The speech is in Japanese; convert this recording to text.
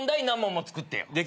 何問も作ってよ。